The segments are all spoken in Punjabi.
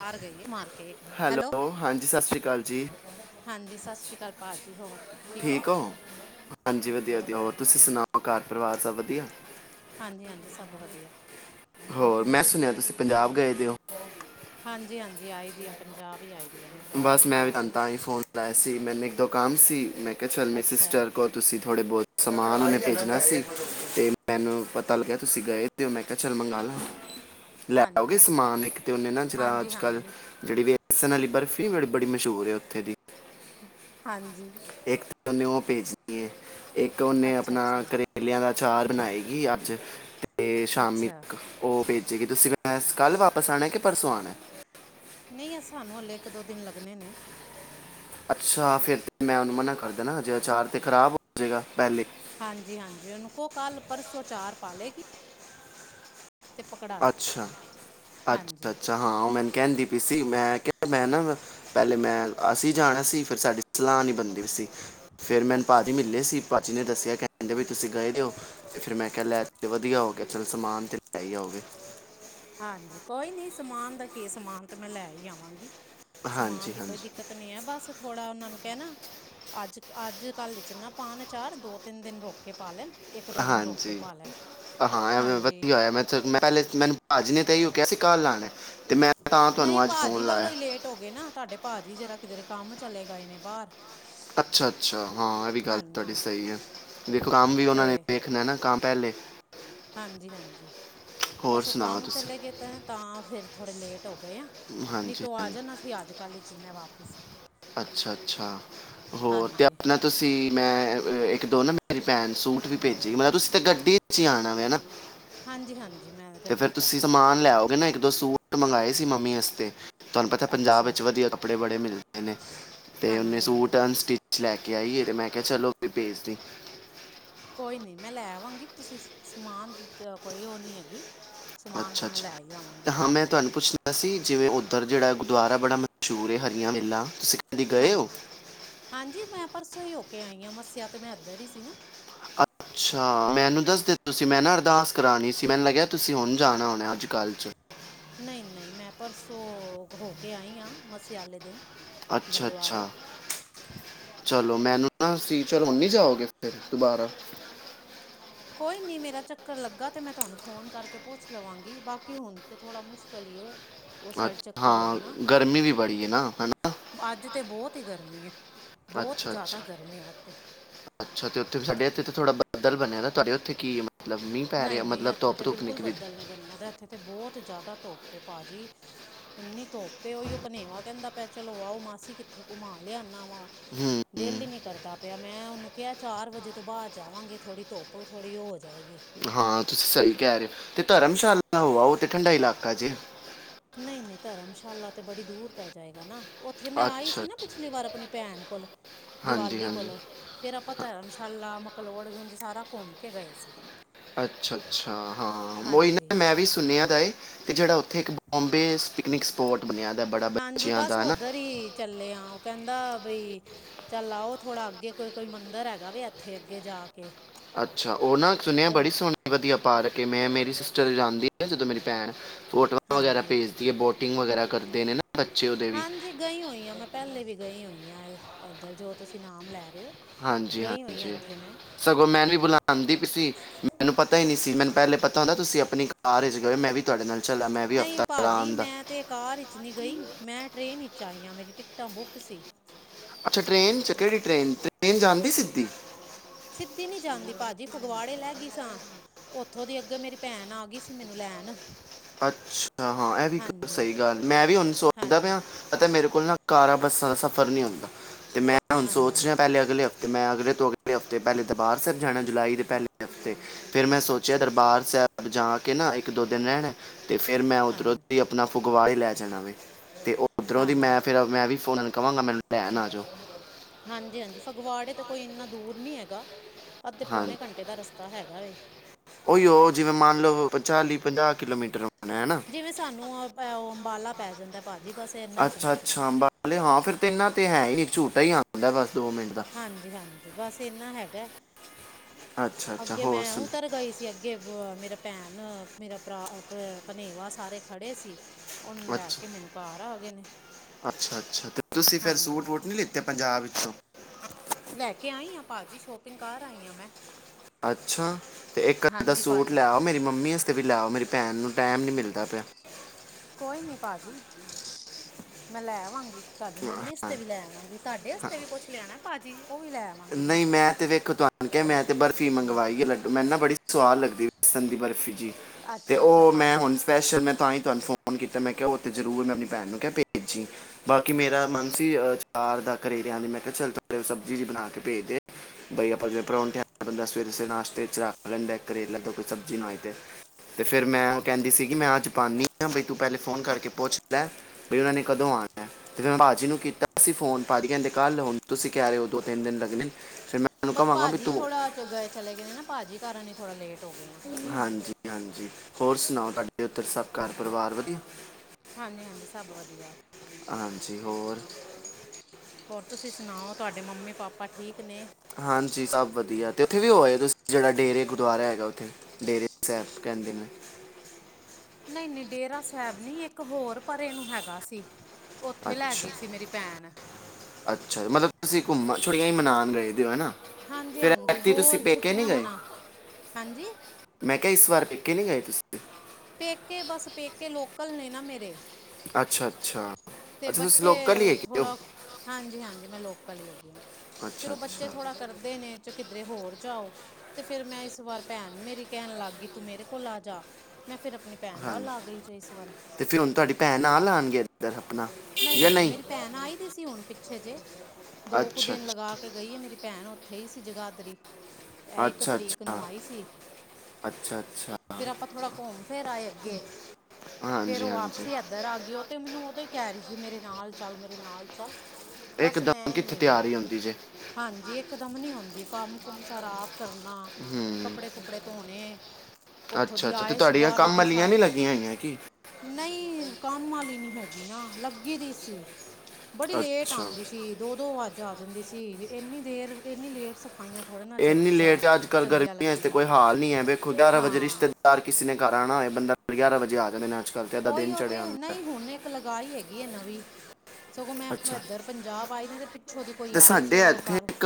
ਬਾਹਰ ਗਈ ਏ ਮਾਰਕੀਟ ਹੈਲੋ। ਹਾਂਜੀ ਸਤਿ ਸ਼੍ਰੀ ਅਕਾਲ ਜੀ ਹਾਂਜੀ ਸਤਿ ਸ਼੍ਰੀ ਅਕਾਲ ਭਾ ਜੀ ਹੋਰ? ਠੀਕ ਓ ਹਾਂਜੀ ਵਧੀਆ ਵਧੀਆ। ਹੋਰ ਤੁਸੀਂ ਸੁਣਾਓ ਘਰ ਪਰਿਵਾਰ ਸਭ ਵਧੀਆ? ਹਾਂਜੀ ਹਾਂਜੀ ਸਭ ਵਧੀਆ। ਹੋਰ ਮੈਂ ਸੁਨੀਆ ਤੁਸੀਂ ਪੰਜਾਬ ਗਏ ਦੇ ਓ। ਹਾਂਜੀ ਹਾਂਜੀ ਆਈ ਦੀ ਆ ਪੰਜਾਬ ਹੀ ਆਈ ਦੀ ਆ ਮੈਂ ਭੈਣ ਬਸ ਮੈਂ ਵੀ ਭਰਾ ਤਾਨੂੰ ਜੀ ਤਹਿ ਫੋਨ ਲਾਇਆ ਸੀ ਮੈਂਨੇ ਇੱਕ ਦੋ ਕੰਮ ਸੀ ਮੈਂ ਕਿਹਾ ਚਲ ਮੇਰੇ ਅੱਛਾ ਸਿਸਟਰ ਕੋਲ ਤੁਸੀਂ ਥੋੜ੍ਹੇ ਬਹੁਤ ਸਮਾਨ ਓਹਨੇ ਪੇਜਨਾ ਸੀ ਤੇ ਮੈਨੂੰ ਪਤਾ ਲੱਗਿਆ ਤੁਸੀਂ ਗਏ ਦੇ ਓ ਮੈਂ ਕਿਹਾ ਚੱਲ ਮੰਗਾਲਾ। ਲੈ ਹਾਂਜੀ ਅਓਗੇ ਹਾਂਜੀ ਸਮਾਨ ਇੱਕ ਤੇ ਓਹਨੇ ਨਾ ਜਰਾ ਹਾਂਜੀ ਅੱਜ ਕੱਲ੍ਹ ਹਾਂਜੀ ਜਿਹੜੀ ਬੇਸਨ ਵਾਲੀ ਬਰਫ਼ੀ ਬੜੀ ਮਸ਼ਹੁਰ ਏ ਓਥੇ ਦੀ। ਹਾਂਜੀ। ਇੱਕ ਤੇ ਓਹਨੇ ਓਹ ਪੇਜਤਿ ਏ ਇੱਕ ਓਹਨੇ ਅੱਛਾ ਆਪਨਾ ਅੱਛਾ ਕਰੇ ਕੇਲਆਂ ਦਾ ਅਚਾਰ ਬਨਾਏਗੀ ਅੱਜ ਤੇ ਸ਼ਾਮੀ ਅੱਛਾ ਤੱਕ ਓਹ ਪੇਜੇਗੀ ਤੁਸੀਂ ਕੱਲ੍ਹ ਵਾਪਸ ਆਣਾ ਕਿ ਪਰਸੋਂ ਆਨਾ? ਨਈ ਏ ਸਾਨੂੰ ਹਲੇ ਇੱਕ ਦੋ ਦਿਨ ਲੱਗਨੇ ਨੇ। ਅੱਛਾ ਫਿਰ ਮੈਂ ਤੇ ਮੈਂ ਓਹਨੂੰ ਮਨਾ ਕਰ ਦੇਨਾ ਅਚਾਰ ਤੇ ਖ਼ਰਾਬ ਹੋ ਜਾਯੇਗਾ ਪਹਲੇ। ਹਾਂਜੀ ਹਾਂਜੀ ਓਹਨੂੰ ਕੋ ਕੱਲ ਪਰਸੋਂ ਅਚਾਰ ਪਾ ਲੇਗੀ। ਤੇ ਪਕੜਾ ਜੈ ਅੱਛਾ ਅੱਛਾ ਹਾਂਜੀ। ਅੱਛਾ ਹਾਂ ਓਹ ਮੈਨੂੰ ਕੇਹਂਦੀ ਪਈ ਸੀ ਮੈਂ ਕਯਾ ਮੈਂ ਨਾ ਪਹਿਲੇ ਮੈਂ ਅਸੀਂ ਜਾਣਾ ਸੀ ਫਿਰ ਸਾਡੀ ਸਲਾਹ ਨੀ ਬਨਦੀ ਪਈ ਸੀ। ਫੇਰ ਮੈਂਨੂੰ ਅੱਛਾ ਪਾਜੀ ਮਿਲੇ ਅੱਛਾ ਸੀ ਪਾਜੀ ਨੇ ਦੱਸਿਆ ਕ ਕਹਿੰਦੇ ਵੀ ਤੁਸੀਂ ਗਏ ਦੇ ਓ ਤੇ ਫਿਰ ਮੈਂ ਕੇਹਾ ਲੈ ਵਧੀਆ ਹੋ ਗਿਆ ਚਲ ਸਮਾਨ ਤੇ ਲੈ ਹੀ ਆਓਗੇ। ਹਾਂਜੀ ਕੋਈ ਨੀ ਸਮਾਨ ਦਾ ਕੀ ਏ ਸਮਾਨ ਤਾਂ ਮੈਂ ਲੈ ਈ ਆਵਾਂਗੀ ਸਮਾਨ ਹਾਂਜੀ ਦੀ ਕੋਈ ਹਾਂਜੀ ਦਿੱਕਤ ਨੀ ਏ ਬਸ ਥੋੜਾ ਓਹਨਾਂ ਨੂੰ ਕਹਨਾ ਅੱਜ ਅੱਜ ਕੱਲ੍ਹ ਈਚ ਨਾ ਪਾਨ ਅਚਾਰ ਦੋ ਤਿੰਨ ਦਿਨ ਰੁਕ ਕੇ ਪਾ ਲੈਨ। ਹਾਂਜੀ ਹਾਂ ਐਵੇਂ ਹਾਂਜੀ ਵਧੀਆ ਹੋਇਆ ਮੈਂ ਮੈ ਪਹਲੇ ਮੈਨੂੰ ਪਾਜੀ ਨੇ ਤੇ ਏਹੀਓ ਕੇਹਾ ਸੀ ਕਿ ਕੱਲ ਆਨਾ ਤੇ ਮੈਂ ਤਾਂ ਤੁਹਾਨੂੰ ਅੱਜ ਫੋਨ ਲਾਯਾ। ਹੋਗੇ ਨਾ ਤੁਹਾਡੇ ਪਾਜੀ ਜਰਾ ਕਿਤੇ ਕੰਮ ਚਲੇ ਗਏ ਨੇ ਬਾਰ। ਅੱਛਾ ਅੱਛਾ ਹਾਂ ਏਹ ਵੀ ਗੱਲ ਤੁਹਾਡੀ ਹਾਂਜੀ ਸਹੀ ਏ ਦੇਖੋ ਆਮ ਵੀ ਓਹਨਾਂ ਨੇ ਤੇ ਨੇ ਨਾ ਕਾ ਪਹੇਲੇ ਹਾਂਜੀ ਹਾਂਜੀ ਹੋਰ ਬਸ ਓਹ ਸੁਣਾਓ ਕੰਮ ਤੁਸੀਂ ਚਲੇ ਗੇ ਤੇ ਤਾਂ ਫੇਰ ਥੋੜੇ ਲੇਟ ਹੋ ਗਏ ਆ। ਨੀ ਹਾਂਜੀ ਤੋਂ ਆ ਜਾਨਾ ਸੀ ਅੱਜ ਕੱਲ ਚ ਮੈਂ ਵਾਪਸ। ਅੱਛਾ ਅੱਛਾ ਹੋਰ ਤੇ ਅਪਨਾ ਤੁਸੀਂ ਮੈਂ ਇੱਕ ਦੋ ਨਾ ਮੇਰੀ ਪੇਨ ਸੂਟ ਵੀ ਪੇਜੇ ਗੀ ਮਤਲਬ ਤੁਸੀਂ ਤਾਂ ਗੱਡੀ ਚ ਈ ਆਨਾ ਏ ਨਾ। ਹ ਹਾਂਜੀ ਹਾਂਜੀ ਮੈਂ ਗੱਡੀ ਚ ਆਨਾ ਏ। ਲੈ ਅਓਗੇ ਨਾ ਇੱਕ ਦੋ ਸੂਟ ਮੰਗਾਏ ਸੀ ਮੰਮੀ ਵਸਤੇ ਤੁਹਾਨੂੰ ਪਤਾ ਪੰਜਾਬ ਅੱਛਾ ਵੀਚ ਵਧੀਆ ਕੱਪੜੇ ਬੜੇ ਮਿਲਦੇ। ਨੇ ਤੇ ਉਹਨੇ ਹਾਂਜੀ ਸੂਟ ਹਾਂਜੀ ਅਨਸਟਿਚ ਲੈ ਕੇ ਆਈ ਹੈ, ਤੇ ਮੈਂ ਕਿਹਾ ਚਲੋ ਭੇਜਦੀ ਕੋਈ ਨਹੀਂ ਮੈਂ ਲੈ ਆਵਾਂਗੀ, ਤੁਸੀਂ ਸਮਾਨ ਦੀ ਕੋਈ ਉਹ ਨਹੀਂ ਹੈਗੀ ਸਮਾਨ ਤਾਂ ਮੈਂ ਲੈ ਹੀ ਆਵਾਂਗੀ, ਹਾਂਜੀ। ਅਸੀਂ, ਜਿਵੇਂ ਉੱਧਰ ਜਿਹੜਾ ਗੁਰਦੁਆਰਾ ਬੜਾ ਮਸ਼ਹੂਰ ਹੈ। ਹਰੀਆਂ ਮੇਲਾ, ਤੁਸੀਂ ਕਦੀ ਗਏ ਹੋ ਹਾਂਜੀ, ਹਾਂਜੀ ਮੈਂ ਪਰਸੋਂ ਹੀ ਹੋ ਕੇ ਆਈ ਹਾਂ, ਮੱਸਿਆ ਤਾਂ ਮੈਂ ਇੱਧਰ ਹੀ ਸੀ ਨਾ। ਅੱਛਾ, ਮੈਨੂੰ ਦੱਸਦੇ ਤੁਸੀਂ ਮੈਂ ਨਾ ਅਰਦਾਸ ਕਰਾਉਣੀ ਸੀ, ਮੈਨੂੰ ਲੱਗਿਆ ਤੁਸੀਂ ਹੁਣ ਜਾਣਾ ਹੋਣਾ, ਅੱਜ ਕੱਲ 'ਚ। ਨਹੀਂ ਨਹੀਂ, ਮੈਂ ਪਰਸੋਂ ਹੋ ਕੇ ਆਈ ਹਾਂ, ਮੱਸੇ ਵਾਲੇ ਦਿਨ ਅੱਛਾ, ਗੁਰਦੁਆਰੇ ਅੱਛਾ। ਚਲੋ, ਮੈਨੂੰ ਨਾਸੀ ਚਲੋ, ਹੁਨ ਨ ਜਾਓਗੇ ਫਿਰ ਦੁਬਾਰਾ? ਕੋਈ ਨੀ, ਮੇਰਾ ਚੱਕਰ ਲੱਗਾ ਤੇ ਮੈਂ ਤੁਹਾਨੂੰ ਫੋਨ ਕਰਕੇ ਪੁੱਛ ਲਵਾਂਗੀ। ਬਾਕੀ ਹੁਨ ਤੇ ਥੋੜਾ ਮੁਸ਼ਕ ਇਲ ਈ ਏ। ਅੱਛ ਹਾਂ, ਗਰਮੀ ਵੀ ਬੜੀ ਨਾ, ਹੈਨਾ। ਅੱਜ 'ਤੇ, ਬਹੁਤ ਈ ਗਰਮੀ ਏ। ਅੱਛਾ- ਅੱਛਾ। ਅੱਛਾ ਤੇ ਉੱਥੇ ਸਾਡੇ ਇੱਥੇ, ਇਥੇ ਥੋੜਾ ਬਦੱਲ ਬਨਿਆ ਦੈ, ਤੁਹਾਡੇ ਉੱਥੇ ਕੀ ਏ? ਮ ਨਈ - ਨਈ, ਐੱਥੇ ਤੇ ਬਿਲਕੁਲ ਬੱਦਲ ਦੀ ਨੀ ਬਣਿਆ ਦਾ। ਐੱਥੇ ਤੇ ਬਹੁਤ ਜ਼ਿਆਦਾ ਧੁੱਪ ਏ, ਭਾਜੀ। ਇੰਨੀ ਧੁੱਪ ਏ, ਔਹੀਓ ਭਨੇਵਾ ਕਹਿੰਦਾ ਪਿਐ, 'ਚਲੋ ਆਓ ਮਾਸੀ, ਕਿੱਥੇ ਘੁੰਮਾ ਲਿਆਨਾ ਵਾ। ਹੂੰ। ਦਿਲ ਈ ਨੀ ਕਰਦਾ ਪਿਆ, ਮੈਂ ਉਹਨੂੰ ਕਿਹਾ ਚਾਰ ਵਜੇ ਤੋਂ ਬਾਅਦ ਜਾਵਾਂਗੇ, ਥੋੜ੍ਹੀ ਧੁੱਪ ਥੋੜ੍ਹੀ ਹੋ ਜਾਏਗੀ। ਹਾਂ, ਤੁਸੀਂ ਸਹੀ ਕਹਿ ਰਹੇ ਓ, ਤੇ ਧਰਮਸ਼ਾਲਾ ਹੋ ਆਓ। ਉਹ ਤੁਹਾਡਾ ਭਨੇਵਾ ਵੀ ਏ। ਨਈ- ਨਈ, ਧਰਮਸ਼ਾਲਾ ਤੇ ਬੜੀ ਦੂਰ ਪੈ ਜਾਏਗਾ ਨਾ। ਓੱਥੇ ਮੈਂ ਆਈ ਅੱਛਾ ਸੀ ਨਾ, ਅੱਛਾ, ਪਿਛਲੀ ਵਾਰ ਆਪਣੀ ਭੈਣ ਕੋਲ, ਹਾਂਜੀ ਦੀਵਾਲੀ ਹਾਂਜੀ ਕੋਲ ਫਿਰ ਆਪਾਂ ਧਰਮਸ਼ਾਲਾ, ਮਕਲੋੜਗੰਜ ਸਾਰਾ ਘੁੰਮ ਕੇ ਗਏ ਸੀ। ਅੱਛਾ- ਅੱਛਾ, ਹਾਂ, ਔਹੀ ਹਾਂਜੀ ਮੈਂ ਵੀ ਸੁਣਿਆ ਦਾ ਏ, ਜਿਹੜਾ ਓੱਥੇ ਇੱਕ ਬੋਮਬੇ ਸ ਪਿਕਨਿਕ ਸਪੋਟ ਬਨਿਆਂ ਦਾ, ਬੜਾ ਹਾਂਜੀ ਬੱਚਿਆਂ ਬਸ ਦਾ, ਹੈਨਾ। ਉੱਧਰ ਹੀ ਚੱਲੇ ਆ, ਉਹ ਕਹਿੰਦਾ ਬਈ ਚੱਲ ਆਓ, ਥੋੜਾ ਅੱਗੇ ਕੋਈ - ਕੋਈ ਮੰਦਿਰ ਹੈਗਾ ਵੇ, ਐੱਥੇ ਅੱਗੇ ਜਾ ਕੇ। ਅੱਛਾ, ਉਹ ਨਾ ਸੁਣਿਐ ਉਹ ਬੜੀ ਸੋਹਣੀ ਵਦੀਆ ਪਾਰਕ ਏ, ਮੈਂ ਮੇਰੀ ਸਿਸਟਰ ਜਾਂਦੀ ਆ, ਜਦੋਂ ਮੇਰੀ ਭੈਣ- ਫੋਟੋ ਵਗੈਰਾ ਹਾਂਜੀ ਭੇਜਦੀ ਏ, ਬੋਟਿੰਗ ਵਗੈਰਾ ਕਰਦੇ ਨੇ ਨਾ ਬੱਚੇ ਉਹਦੇ ਵੀ ਹਾਂਜੀ ਗਈ ਹੋਈ ਆ, ਮੈਂ ਪਹਿਲੇ ਵੀ ਗਈ ਹੋਈ ਆ ਐੱਧਰ, ਜੋ ਤੁਸੀਂ ਨਾਮ ਲੈ ਰਹੇ ਓ। ਹਾਂਜੀ ਗਈ ਹੋਈ ਆ ਹਾਂਜੀ ਐੱਥੇ ਮੈਂ। ਸਗੋਂ, ਮੈਂਨ ਵੀ ਬੁਲਾਉਂਦੀ ਪੀ ਸੀ ਮੈਨੂੰ ਪਤਾ ਈ ਨੀ ਸੀ, ਮੈਨੂੰ ਪਹਿਲੇ ਪਤਾ ਹੁੰਦਾ, ਤੁਸੀਂ ਆਪਣੀ ਕਾਰ ਵਿਚ ਗਏ ਓ, ਮੈਂ ਵੀ ਤੁਹਾਡੇ ਨਾਲ ਚੱਲ ਆ, ਮੈਂ ਵੀ ਨਹੀਂ ਹਫ਼ਤਾ ਲਾ ਭਾਜੀ ਆਉਂਦਾ। ਮੈਂ ਤੇ ਕਾਰ ਵਿੱਚ ਨਈ ਗਈ, ਮੈਂ ਟਰੇਨ ਵਿੱਚ ਆਈ ਆਂ, ਮੇਰੀ ਟਿਕਟਾਂ ਬੁੱਕ ਸੀ। ਅੱਛਾ ਟ੍ਰੇਨ 'ਚ, ਕਿਹੜੀ ਟ੍ਰੇਨ, ਟ੍ਰੇਨ ਜਾਂਦੀ ਸਿੱਧੀ? ਸਿੱਧੀ ਨੀ ਜਾਂਦੀ ਭਾਜੀ, ਫਗਵਾੜੇ ਲਹਿ ਗਈ ਸਾਂ। ਓੱਥੋਂ ਦੀ ਅੱਗੋ ਮੇਰੀ ਭੈਣ ਆ ਗਈ ਸੀ, ਮੈਨੂੰ ਲੈਣ। ਅੱਛਾ, ਹਾਂ ਐਹ ਵੀ ਇੱਕ ਹਾਂਜੀ ਸਹੀ ਗੱਲ, ਮੈਂ ਵੀ ਹੁਨ ਸੋਚਦਾ ਹਾਂਜੀ ਪਿਆ ਪਤਾ, ਮੇਰੇ ਕੋਲ ਨਾ ਕਾਰਾਂ - ਬੱਸਾਂ ਦਾ ਸਫ਼ਰ ਨੀ ਹੁੰਦਾ, ਅਤੇ ਮੈ ਹੁਣ ਸੋਚ ਹਾਂਜੀ ਰਿਹਾ, ਪਹਿਲੇ ਅਗਲੇ ਹਫ਼ਤੇ 'ਤੇ ਮੈਂ ਅਗਲੇ ਤੋਂ ਅਗਲੇ ਹਫਤੇ ਪਹਿਲੇ ਦਰਬਾਰ ਸਾਹਿਬ ਜਾਣੈ, ਜੁਲਾਈ ਦੇ ਪਹਿਲੇ ਹਫ਼ਤੇ ਫਿਰ ਮੈਂ ਸੋਚਿਆ, ਅੱਛਾ ਅੱਛਾ ਦਰਬਾਰ ਸਾਹਿਬ ਜਾ ਕੇ ਨਾ ਇੱਕ - ਦੋ ਦਿਨ ਰਹਿਣਾ। ਤੇ ਫਿਰ ਮੈਂ ਉੱਧਰੋਂ ਹਾਂਜੀ ਦੀ ਆਪ ਅਪਣਾ ਫਗਵਾੜੇ ਲੈ ਜਾਣਾ ਵੇ, ਤੇ ਓਧਰੋਂ ਦੀ ਮੈਂ ਹਾਂਜੀ ਫਿਰ ਮੈਂ ਵੀ ਫੋਨ ਕਵਾਂਗਾ, ਮੈਨੂੰ ਲੈਣ ਆ ਜਓ। ਹਾਂਜੀ ਹਾਂਜੀ, ਫਗਵਾੜੇ ਤਾਂ ਕੋਈ ਇੰਨਾ ਦੂਰ ਨੀ ਹੈਗਾ, ਅੱਧੇ - ਹਾਂ ਪੌਨੇ ਘੰਟੇ ਦਾ ਰਸਤਾ ਹੈਗਾ ਏ। ਓਹੀ, ਓਹ ਜਿਵੇਂ ਮੰਨ ਲਓ, ਪੰ ਚਾਲੀ- ਪੰਜਾਹ ਕਿਲੋਮੀਟਰ ਹੋਣੈ, ਹੈ ਨਾ। ਕਿਵੇਂ, ਸਾਨੂੰ ਓ ਅੰਬਾਲਾ ਪੈ ਜਾਂਦੈ ਭਾਜੀ, ਬਸ ਏਨਾ ਈ ਸਮਝ ਲੋੋ। ਹਲੇ ਹਾਂ ਫੇਰ ਤੇ ਏਨਾਂ ਤੇ ਹੈ ਈ ਨੀ ਇੱਕ ਝੂਟਾ ਈ ਆਂਦਾ ਬਸ ਦੋ ਮਿੰਟ ਦਾ। ਹਾਂਜੀ-ਹਾਂਜੀ ਬਸ ਏਨਾ ਹੈਗਾ ਏ, ਅੱਛਾ ਅੱਛਾ ਅੱਗੇ ਹੋਰ ਮੈਂ ਸੁਣ ਉਤਰ ਗਈ ਸੀ ਅੱਗੇ। ਅੱਗੇ ਮੇਰਾ ਭੈਣ, ਮੇਰਾ ਭਰਾ, ਭਨੇਵਾ ਸਾਰੇ ਖੜੇ ਸੀ। ਓਨੂੰ ਲੈ ਅੱਛਾ ਕੇ ਮੈਨੂੰ ਘਰ ਆ ਗਏ ਨੇ, ਅੱਛਾ ਅੱਛਾ ਤੁਸੀਂ ਫਿਰ ਹਾਂਜੀ। ਸੂਟ ਵੂਟ ਨਹੀਂ ਤੇ ਲਿੱਤੇ ਪੰਜਾਬ ਵਿੱਚੋਂ- ਲੈ ਕੇ ਆਈ ਆਂ ਭਾਜੀ ਸ਼ੋਪਿੰਗ ਕਾਰ ਆਈ ਆਂ ਮੈਂ। ਅੱਛਾ ਤੇ ਇੱਕ ਅੱਦਾ ਹਾਂਜੀ ਭਾਅ ਸੂਟ ਜੀ ਲੈ ਆਓ ਮੇਰੀ ਮੰਮੀ ਆਸਤੇ ਵੀ ਲੈ ਆਓ ਮੇਰੀ ਭੈਣ ਨੂੰ ਟੈਮ ਨੀ ਮਿਲਦਾ ਪਿਆ। ਕੋਈ ਨਈਂ ਭਾਜੀ ਮੈਂ ਲੈ ਆਵਾਂਗੀ ਤੁਆਡੀ ਮੰਮੀ ਹਾਂ। ਆਸਤੇ ਵੀ ਲੈ ਆਵਾਂਗੀ। ਤੁਆਡੇ ਆਸਤੇ ਵੀ ਕੁਛ ਲਿਆਣਾ ਭਾਜੀ ਓ ਵੀ ਲੈ ਨਈਂ ਮੈਂ ਤੇ ਵੇਖੋ ਤੁਆ ਕਿ ਮੈਂ ਤੇ ਬਰਫੀ ਮੰਗਵਾਈ ਏ ਲੱਡੂ ਮੈਨੂੰ ਨਾ ਬੜੀ ਸੁਆਦ ਲੱਗਦੀ ਬੇਸਨ ਦੀ ਬਰਫੀ। ਜੀ ਤੇ ਅੱਛਾ ਅੱਛਾ ਓ ਮੈਂ ਭਾਜੀ ਹੁਣ ਸਪੈਸ਼ਲ ਮੈਂ ਤਾਂ ਈ ਤੁਆਨੂੰ ਫੋਨ ਕੀਤਾ ਮੈਂ ਕਿਆ ਓ ਤੇ ਜ਼ਰੂਰ ਮੈਂ ਆਪਣੀ ਭੈਣ ਨੂੰ ਕਿਆ ਭੇਜੀ। ਬਾਕੀ ਮੇਰਾ ਮਨ ਸੀ ਆਚਾਰ ਦਾ ਕਰੇਲਿਆਂ ਦੇ ਮੈਂ ਕਿਆ ਚੱਲ ਸਬਜ਼ੀ ਜੀ ਬਣਾ ਕੇ ਤੇ ਭੇਜਦੇ ਬਾਈ ਆਪਾਂ ਜਿਵੇੰ ਪਰੋਂਠੇਆਂ ਬੰਦਾ ਸਵੇਰੇ-ਸਵੇਰੇ ਨਾਸ਼ਤੇ ਚ ਰ ਖਾ ਲੈਂਦਾ ਏ ਕਰੇਲਾ ਜਦੋਂ ਕੋਈ ਸਬਜ਼ੀ ਨੀ ਆਈ ਤੇ। ਤੇ ਫੇਰ ਮੈਂ ਓ ਕੈਂਦੀ ਸੀਗੀ ਮੈਂ ਅੱਜ ਪਾਨੀ ਆਂ ਬਈ ਤੂੰ ਪੈਲੇ ਫੋਨ ਕਰਕੇ ਪੁੱਛ ਲੈ। ਬੀ ਓਨਾਂ ਨੇ ਕਦੋਂ ਆਣਾ ਏ? ਤੇ ਫਿਰ ਮੈਂ ਭਾਜੀ ਨੂੰ ਕੀਤਾ ਸੀ ਫੋਨ ਭਾਜੀ ਕੈਂਦੇ ਕੱਲ ਹੁਣ ਤੁਸੀਂ ਕੈਅ ਰਏ ਓ ਦੋ-ਤਿੰਨ ਦਿਨ ਲੱਗਣੇ ਫਿਰ ਮੈਂ ਉਹਨੂੰ ਬਸ ਕਹਾਂਗਾ ਵੀ ਭਾਜੀ ਤੂੰ ਥੋੜਾ ਚ ਗਏ ਚਲੇ ਗਏ ਨੇ ਨਾ ਭਾਜੀ ਕਾਰਨ ਈ ਥੋੜਾ ਲੇਟ ਹੋ ਗਏ ਆਂ। ਹਾਂਜੀ-ਹਾਂਜੀ, ਹੋਰ ਸੁਣਾਓ ਤੁਆਡੇ ਓਦਰ ਸਬ ਘਰ ਪਰਿਵਾਰ ਵਦੀਆ? ਹਾਂਜੀ-ਹਾਂਜੀ, ਸਬ ਵਦੀਆ। ਹਾਂਜੀ, ਹੋਰ? ਹੋਰ ਤੁਸੀਂ ਸੁਣਾਓ ਤੁਆਡੇ ਮੰਮੀ-ਪਾਪਾ ਠੀਕ ਨੇ? ਹਾਂਜੀ ਸਬ ਵਦੀਆ ਤੇ ਉੱਥੇ ਵੀ ਹੋ ਆਏ ਤੁਸੀਂ ਜੇੜਾ ਡੇਰੇ ਗੁਰਦੁਆਰਾ ਹੈਗਾ ਉੱਥੇ? ਡੇਰੇ ਸੈਬ ਕੈਂਦੇ ਨੇ। ਨਈਂ-ਨਈਂ ਡੇਰਾ ਸੈਬ ਨਈਂ ਇੱਕ ਹੋਰ ਪਰੇ ਨੂੰ ਹੈਗਾ ਸੀ। ਓਥੇ ਲੈ ਅੱਛਾ ਗਈ ਸੀ ਮੇਰੀ ਭੈਣ। ਅੱਛਾ ਮਤਲਬ ਤੁਸੀਂ ਘੁੰਮਣ ਛੁੱਟੀਆਂ ਈ ਮਨਾਣ ਗਏਦੇ ਓ ਹੈਨਾ। ਹਾਂਜੀ-ਹਾਂਜੀ ਹੋਰ ਛੁੱਟੀਆਂ ਮਨਾ, ਹਾਂਜੀ? ਮੈਂ ਕਿਆ ਇਸ ਵਾਰ ਪੇਕੇ ਨਈਂ ਗਏ ਤੁਸੀਂ? ਪੇਕੇ ਬਸ ਪੇਕੇ ਲੋਕਲ ਨੇ ਨਾ ਮੇਰੇ। ਅੱਛਾ-ਅੱਛਾ। ਤੇ ਬੱਚੇ ਥੋੜਾ, ਹਾਂਜੀ-ਹਾਂਜੀ ਮੈਂ ਲੋਕਲ ਈ ਹੈਗੀ ਆਂ। ਅੱਛਾ-ਅੱਛਾ। ਥੋੜਾ ਕਰਦੇ ਨੇ ਚ ਕਿਦਰੇ ਹੋਰ ਜਾਓ। ਤੇ ਫਿਰ ਮੈਂ ਇਸ ਵਾਰ ਭੈਣ ਮੇਰੀ ਕੈਣ ਲਾਗੀ ਤੂੰ ਮੇਰੇ ਕੋਲ ਆ ਜਾ ਮੈਂ ਫਿਰ ਆਪਣੀ ਭੈਨ ਵੱਲ ਆ ਹਾਂਜੀ ਗਈ ਜੇ ਇਸ ਵਾਰੀ। ਤੇ ਫਿਰ ਹੁਣ ਤੁਆਡੀ ਭੈਣ ਨਾਲ ਆਣ ਗੇ ਏਦਰ ਆਪਣਾ। ਨਈਂ-ਨਈਂ ਮੇਰੀ ਭੈਣ ਆਈ ਦੀ ਸੀ ਹੁਣ ਪਿੱਛੇ ਜੇ, ਦੋ ਕੁ ਅੱਛਾ ਦਿਨ ਲਗਾ ਕੇ ਗਈ ਐ ਮੇਰੀ ਭੈਣ ਉੱਥੇ ਈ ਸੀ ਜਗਾਦਰੀ। ਅੱਛਾ ਏਹ ਇੱਕ ਅੱਛਾ ਤਰੀਕ ਨੂੰ ਅੱਛਾ ਆਈ ਸੀ, ਅੱਛਾ ਅੱਛਾ ਫੇਰ ਆਪਾਂ ਥੋੜਾ ਘੁੰਮ ਫਿਰ ਆਏ ਅੱਗੇ, ਫੇਰ ਹਾਂਜੀ ਓ ਹਾਂਜੀ ਆਪਸੀ ਏਧਰ ਆ ਗਈ ਓ ਤੇ ਮੈਨੂੰ ਓਦੋਂ ਈ ਕਹਿ ਰਹੀ ਸੀ ਮੇਰੇ ਨਾਲ ਚੱਲ- ਮੇਰੇ ਨਾਲ ਚੱਲ ਬਸ ਮੈਂ ਇੱਕਦਮ ਹੀ ਕਿੱਥੇ ਨਹੀਂ ਗਈ। ਤਿਆਰੀ ਹੁੰਦੀ ਜੇ ਹਾਂਜੀ ਇਕ ਦਮ ਨੀ ਹੁੰਦੀ ਕੰਮ- ਕੁਮ ਸਰਾਬ ਕਰਨਾ। ਹੂੰ ਕੱਪੜੇ- ਕੁਪੜੇ ਧੋਣੇ ਉੱਥੋਂ ਅੱਛਾ ਦੀ ਅੱਛਾ ਤੇ ਆਏ ਸੀ ਤੁਹਾਡੀਆਂ ਬਾਹਰੋਂ ਕੰਮ ਦੀ ਵਾਲੀਆਂ ਸਾਰ- ਨਹੀਂ ਲੱਗੀਆਂ ਹੋਈਆਂ ਕੀ ਨਹੀਂ ਕੰਮ ਵਾਲੀ ਨਹੀਂ ਹੈਗੀ ਨਾ, ਲੱਗੀ ਦੀ ਸੀ। ਬੜੀ ਲੇਟ ਅੱਛਾ ਆਉਂਦੀ ਸੀ ਦੋ- ਦੋ ਵੱਜ ਆ ਦਿੰਦੀ ਸੀ ਇੰਨੀ ਦੇਰ ਇੰਨੀ ਲੇਟ ਸ- ਖਾਈਆਂ ਥੋੜੀ ਨਾ- ਚੱਜ ਇੰਨੀ ਚਾ ਲੇਟ ਹੈ ਅੱਜ ਕੱਲ ਚੰਗੀਆਂ ਗਰਮੀਆਂ ਤੇ ਲੱਗਦੀਆਂ ਨੇ ਕੋਈ ਹਾਲ ਨੀ ਹੈ ਵੇਖੋ ਗਿਆਰਾਂ ਵਜੇ ਹਾਂ ਰਿਸ਼ਤੇ, ਗਰ ਕਿਸੇ ਨੇ ਘਰ ਆਉਣਾ ਹੋਏ ਬੰਦਾ ਗਿਆਰਾਂ ਵਜੇ ਆ ਜਾਂਦੇ ਨਾਲ, ਓਹੀ ਉਹ ਤੇ ਨਹੀਂ ਹੁਣ ਇੱਕ ਲਗਾਈ ਹੈਗੀ ਹੈ ਨਵੀਂ। ਸਗੋਂ ਮੈਂ ਅੱਛਾ ਇੱਧਰ ਪੰਜਾਬ ਆਈ ਸੀ ਤੇ ਪਿੱਛੋਂ ਦੀ ਕੋਈ ਤੇ ਆਈ ਸੀ ਸਾਡੇ ਹੋ ਇੱਥੇ ਘਰ। ਇੱਕ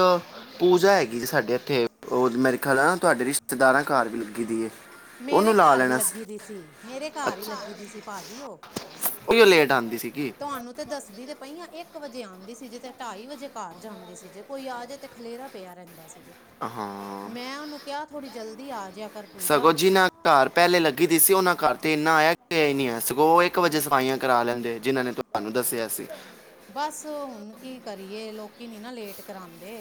ਪੂਜਾ ਹੈਗੀ ਜੀ ਸਾਡੇ ਇੱਥੇ ਉਹ ਮੇਰੇ ਖਿਆਲ ਨਾ ਤੁਹਾਡੇ ਰਿਸ਼ਤੇਦਾਰਾਂ ਘਰ ਵੀ ਲੱਗੀ ਦੀ ਹੈ। ਮੇਰੇ ਉਹਨੂੰ ਲਾ ਘਰ ਵੀ ਲੈਣਾ ਲੱਗੀ ਦੀ ਸੀ ਮੇਰੇ ਘਰ ਹੀ ਅੱਛਾ ਲੱਗੀ ਦੀ ਸੀ ਭਾਜੀ ਉਹ। ਉਹ ਲੇਟ ਆਂਦੀ ਸੀਗੀ ਤੁਹਾਨੂੰ ਤੇ ਦੱਸਦੀ ਤੇ ਪਹੀਆਂ ਇੱਕ ਵਜੇ ਆਉਂਦੀ ਸੀ ਜੇ ਤੇ ਅਢਾਈ ਵਜੇ ਘਰ ਜਾਂਦੀ ਸੀ, ਜੇ ਕੋਈ ਆ ਜੇ ਤੇ ਖਲੇਰਾ ਪਿਆ ਰਹਿੰਦਾ ਸੀ ਜੇ, ਹਾਂ ਮੈਂ ਉਹਨੂੰ ਕਿਹਾ ਥੋੜੀ ਜਲਦੀ ਆ ਜਿਆ ਕਰ ਪੂਜਾ। ਜਿਨਾ ਘਰ ਪਹਿਲੇ ਲੱਗੀ ਦੀ ਸੀ, ਉਹਨਾਂ ਘਰ ਤੇ ਇੰਨਾ ਆਇਆ ਗਿਆ ਹੈ ਨੀ ਆ ਸਗੋਂ ਇੱਕ ਇੱਕ ਵਜੇ ਸਫਾਈਆਂ ਕਰਾ ਲੈਂਦੇ, ਜਿਨਾਂ ਨੇ ਤੁਹਾਨੂੰ ਦੱਸਿਆ ਸੀ। ਬਸ ਹੁਣ ਕੀ ਕਰੀਏ, ਲੋਕੀ ਨੀ ਨਾ ਲੇਟ ਕਰਉਦੇ।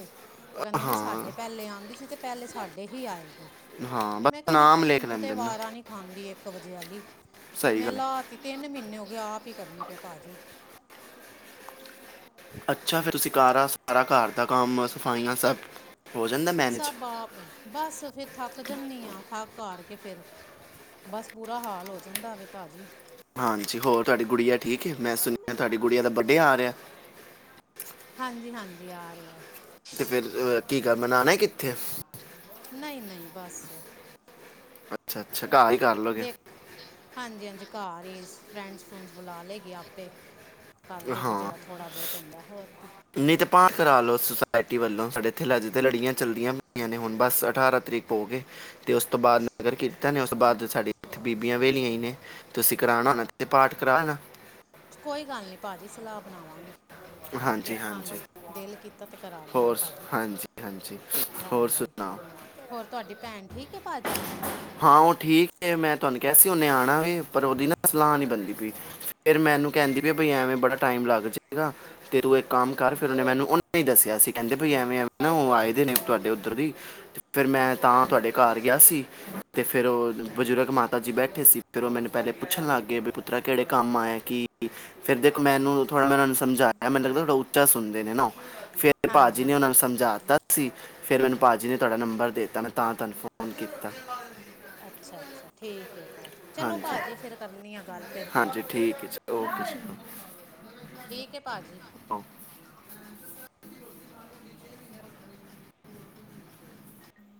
ਉਹ ਕਹਿੰਦੇ ਨੇ ਹਾਂ ਸਾਡੇ ਪਹਿਲੇ ਆਉਂਦੀ ਸੀ, ਤੇ ਪਹਿਲੇ ਸਾਡੇ ਹੀ ਆਏਗੀ। ਹਾਂ ਮੈਂ ਕਿਹਾ ਬਸ ਬਈ ਫੇਰ ਨਾਮ ਲਿਖ ਮੈਨੂੰ ਤੇ ਲੈਂਦੇ ਨੇ ਨਾ ਵਾਰਾਂ ਨੀ ਖਾਂਦੀ ਇੱਕ ਵਜੇ ਆਲੀ ਸਹੀ ਮੈਂ ਗੱਲ ਹੈ ਲਾ ਤੀ ਤਿੰਨ ਮਹੀਨੇ ਹੋ ਗਏ ਆਪ ਹੀ ਕਰਨੀ ਪਿਆ, ਪਾਜੀ। ਅੱਛਾ ਫੇਰ ਤੁਸੀਂ ਕਾਰਾ ਸਾਰਾ ਘਰ ਦਾ ਕੰਮ ਸਫਾਈਆਂ ਸਭ, ਹੋ ਜਾਂਦਾ ਮੈਨੇਜ ਸਭ ਬਾਪ ਬਸ ਫੇਰ ਥੱਕ ਜਾਂਦੀ ਹਾਂ ਥੱਕ ਹਾਰ ਕੇ ਫੇਰ, ਬਸ ਬੂਰਾ ਹਾਲ ਹੋ ਜਾਂਦਾ ਵੇ ਭਾ ਜੀ। ਹਾਂਜੀ ਹੋਰ ਤੁਹਾਡੀ ਗੁੜੀਆ ਠੀਕ ਹੈ ਮੈਂ ਸੁਣਿਆ ਤੁਹਾਡੀ ਗੁੜੀ ਦਾ ਵੱਡੇ ਆ ਰਿਹਾ। ਹਾਂਜੀ- ਹਾਂਜੀ ਆ ਰਿਹਾ। ਤੇ ਫੇਰ ਕੀ ਕਰ ਮਨਉਣਾ ਕਿੱਥੇ ਐ। ਨਹੀਂ- ਨਹੀਂ ਬਸ। ਅੱਛਾ- ਅੱਛਾ ਘਰ ਹੀ, ਕਰ ਲੋਗੇ ਦੇਖ ਹਾਂਜੀ- ਹਾਂਜੀ ਘਰ ਹੀ ਫਰੈਂਡਸ-ਫਰੂਂਡਸ ਬੁਲਾ ਲਏਗੀ ਆਪੇ। ਕਰ ਲੇਗੀ ਜਿੜਾ ਥੋੜਾ ਬਹੁਤ ਹੁੰਦਾ, ਹੋਰ ਕੀ। ਨੀ ਤੇ ਪਾਠ ਕਰਾ ਲਓ ਸੁਸਾਇਟੀ ਵੱਲੋਂ ਸਾਡੇ ਇਥੇ ਅਜ ਤੇ ਲੜੀਆਂ ਚੱਲਦੀਆਂ ਪਈਆਂ ਨੇ। ਤੇ ਹੁਣ ਬਸ ਅਠਾਰਾਂ ਤਰੀਕ ਭੋਗ ਏ। ਤੇ ਉਸ ਤੋਂ ਬਾਅਦ ਨਗਰ ਕੀਰਤਨ ਨੇ ਉਸ ਤੋਂ ਬਾਅਦ ਸਾਡੇ ਬੀਬੀਆਂ ਵੇਲੀਆਂ ਹੀ ਨੇ। ਤੁਸੀਂ ਕਰਾਉਣਾ ਹੋਣਾ ਤੇ ਪਾਠ ਕਰਾ ਲੈਣਾ। ਕੋਈ ਗੱਲ ਨਹੀਂ ਭਾਅ ਜੀ ਸਲਾਹ ਬਣਾਵਾਂਗੀ। ਹਾਂਜੀ ਹਾਂਜੀ ਦੇਖਾਂਗੀ ਦਿਲ ਕੀਤਾ ਤੇ ਕਰਾ ਲਾਂਗੀ ਹੋਰ ਸ- ਭਾਜੀ, ਹਾਂਜੀ ਹਾਂਜੀ ਹੋਰ ਹਾਂਜੀ। ਸੁਣਾਓ ਹੋਰ ਤੁਹਾਡੀ ਭੈਣ ਠੀਕ ਹੈ ਭਾਜੀ? ਹਾਂ ਉਹ ਠੀਕ ਹੈ ਮੈਂ ਤੁਹਾਨੂੰ ਕਿਹਾ ਸੀ ਉਹਨੇ ਆਉਣਾ ਵੇ ਪਰ ਉਹਦੀ ਨਾ ਸਲਾਹ ਨਹੀਂ ਬਣਦੀ ਪਈ। ਫੇਰ ਮੈਨੂੰ ਕਹਿੰਦੀ ਪਈ ਬੀ ਐਵੇਂ ਬੜਾ ਟਾਈਮ ਲੱਗ ਜਾਏਗਾ। ਤੇ ਤੂੰ ਇੱਕ ਕੰਮ ਕਰ ਫੇਰ ਉਹਨੇ ਮੈਨੂੰ ਉਹਨਾ ਦੱਸਿਆ ਸੀ ਕਹਿੰਦੇ ਬਈ ਐਵੇਂ- ਐਵੇਂ ਨਾ ਉਹ ਆਏ ਨੇ ਤੁਹਾਡੇ ਉੱਧਰ ਦੀ। ਫੇਰ ਮੈਂ ਤਾਂ ਤੁਹਾਡੇ ਘਰ ਗਿਆ ਸੀ। ਤੇ ਫੇਰ ਉਹ ਬਜ਼ੁਰਗ ਮਾਤਾ ਜੀ ਬੈਠੇ ਸੀ ਫੇਰ ਉਹ ਮੈਨੂੰ ਪਹਿਲੇ ਪੁੱਛਣ ਲੱਗ ਗਏ, ਵੀ ਪੁੱਰਾ, ਕਿਹੜੇ ਕੰਮ ਆਏਆ ਕੀ ਫੇਰ ਦੇਖ ਮੈਨੂੰ ਥੋੜਾ ਮੈਂ ਉਹਨਾਂ ਨੂੰ ਸਮਝਾਇਆ ਮੈਨੂੰ ਲੱਗਦਾ ਥੋੜਾ ਉੱਚਾ ਸੁਣਦੇ ਨੇ ਨਾ- ਫੇਰ ਭਾ ਜੀ ਹਾਂਜੀ ਨੇ ਉਹਨਾਂ ਹਾਂਜੀ ਨੂੰ ਸਮਝਿਆ ਤਾ। ਸੀ ਫਿਰ ਮੈਨੂੰ ਭਾ ਜਜੀ ਨੇ ਤੁਹਾਡਾ ਨੰਬਰ ਦਿੱਤਾ ਮੈਂ ਤਾਂ ਤੁਹਾਨੂੰ ਫ਼ੋਨ ਕੀਤਾ ਅੱਛਾ ਅੱਛਾ ਠੀਕ ਹੈ ਭਾਅ ਜੀ ਚਲੋ ਹਾਂਜੀ ਭਾਅ ਜੀ ਫਿਰ ਕਰਨੀ ਆ ਗੱਲ ਫਿਰ ਹਾਂਜੀ ਦੁਬਾਰਾ [unintelligible] ਠੀਕ ਹੈ ਭਾਅ ਜੀ ਓਕੇ [unintelligible]